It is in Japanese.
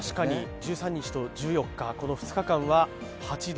１３日と１４日の２日間は８度。